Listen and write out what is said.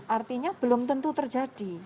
artinya belum tentu terjadi